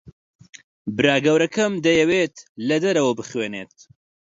برا گەورەکەم دەیەوێت لە دەرەوە بخوێنێت.